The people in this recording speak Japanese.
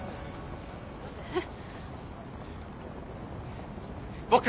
えっ？